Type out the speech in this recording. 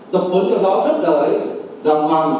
tập hướng cho đó rất là đàn mạng